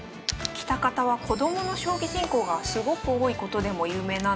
喜多方は子どもの将棋人口がすごく多いことでも有名なんです。